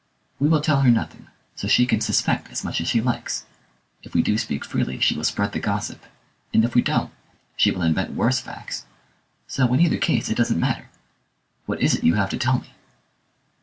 We will tell her nothing, so she can suspect as much as she likes; if we do speak freely she will spread the gossip, and if we don't, she will invent worse facts; so in either case it doesn't matter. What is it you have to tell me?"